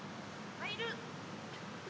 入る！